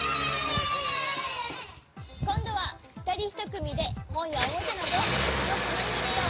こんどはふたり１くみでほんやおもちゃなどをこのたなにいれよう。